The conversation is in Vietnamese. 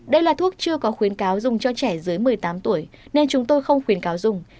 đây là thuốc chưa có khuyến cáo dùng cho trẻ dưới một mươi tám tuổi nên chúng tôi không khuyến cáo dùng